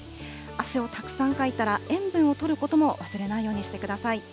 汗をたくさんかいたら、塩分をとることも忘れないようにしてください。